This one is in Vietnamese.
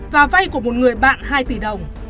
và vay của một người bạn hai tỷ đồng